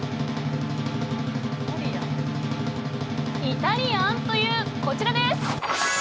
イタリアン！？という、こちら。